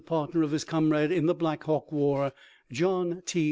1 83 partner of his comrade in the Black Hawk war, John T.